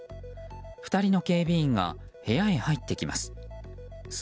２人の警備員が部屋に入ってきます。